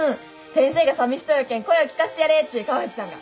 先生がさみしそうやけん声を聞かせてやれっち川藤さんが。